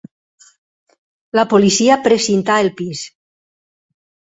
La policia precintà el pis.